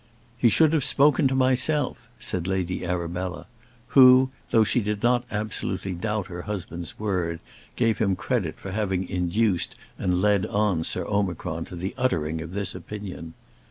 "He should have spoken to myself," said Lady Arabella, who, though she did not absolutely doubt her husband's word, gave him credit for having induced and led on Sir Omicron to the uttering of this opinion.